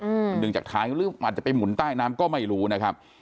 ดึงจากท้ายหรืออาจจะไปหมุนใต้น้ำก็ไม่รู้นะครับ